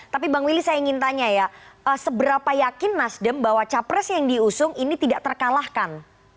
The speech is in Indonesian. tapi bang willy saya ingin tanya ya seberapa yakin nasdem bahwa capres yang diusung ini tidak terkalahkan